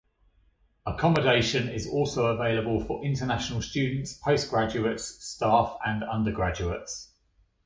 Accommodation is also available for international students, postgraduates, staff and undergraduates.